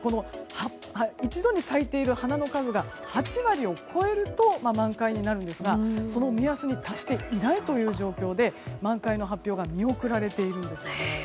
一度に咲いている花の数が８割を超えると満開になるんですがその目安に達していないという状況で満開の発表が見送られているんですよね。